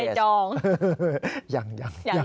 นึกว่าสนใจยอง